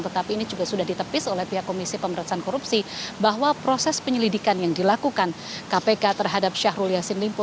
tetapi ini juga sudah ditepis oleh pihak komisi pemerintahan korupsi bahwa proses penyelidikan yang dilakukan kpk terhadap syahrul yassin limpo